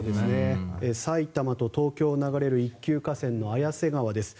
埼玉と東京を流れる一級河川の綾瀬川です。